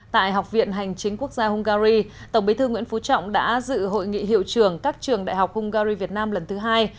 tại học viện hành chính quốc gia hungary tổng bí thư nguyễn phú trọng đã dự hội nghị hiệu trưởng các trường đại học hungary việt nam lần thứ hai